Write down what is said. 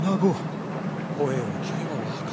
声を聞けば分かろう。